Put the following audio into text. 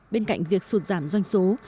bên cạnh việc sụn giảm doanh số